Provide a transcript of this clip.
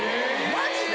マジで？